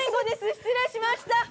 失礼しました！